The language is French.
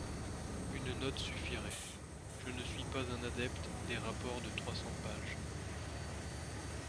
Une note suffirait – je ne suis pas un adepte des rapports de trois cents pages.